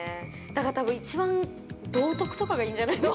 だからたぶん、一番、道徳とかがいいんじゃないの？